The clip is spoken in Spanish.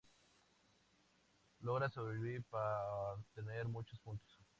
Logra sobrevivir por tener muchos puntos.